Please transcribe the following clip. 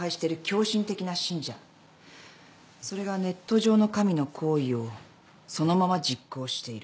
それがネット上の神の行為をそのまま実行している。